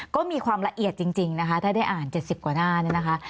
ก็มีความละเอียดจริงนะคะถ้าได้อ่าน๗๐กว่าหน้าเนี่ยนะคะ